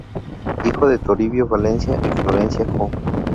Hijo de Toribio Valencia y Florencia Joo.